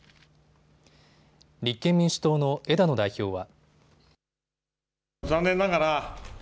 立憲民主党の枝野代表は。